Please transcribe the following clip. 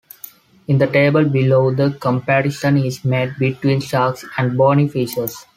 In the table below, the comparison is made between sharks and bony fishes.